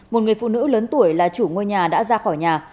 một người phụ nữ lớn tuổi là chủ ngôi nhà đã ra khỏi nhà